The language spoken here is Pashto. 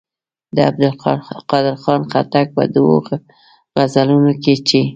د عبدالقادر خان خټک په دوو غزلونو کې چې.